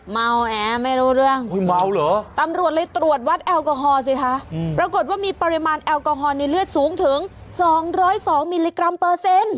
เมาแอไม่รู้เรื่องเมาเหรอตำรวจเลยตรวจวัดแอลกอฮอลสิคะปรากฏว่ามีปริมาณแอลกอฮอลในเลือดสูงถึง๒๐๒มิลลิกรัมเปอร์เซ็นต์